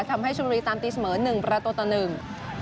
ทำให้ชนบุรีตามตีเสมอหนึ่งประตูต่อหนึ่ง